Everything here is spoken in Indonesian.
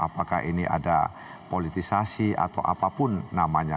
apakah ini ada politisasi atau apapun namanya